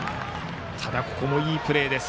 ただここもいいプレーです。